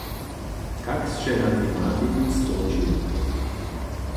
Kak sće na tematiku storčił?